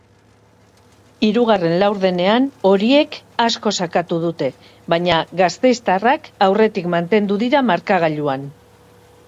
Hirugarren laurdenean horiek asko sakatu dute, baina gasteiztarrak aurretik mantendu dira markagailuan.